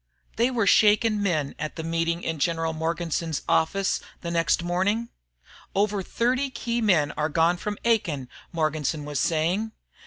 They were shaken men at the meeting in General Morganson's office the next morning. "Over 30 key men gone from Aiken," Morganson was saying.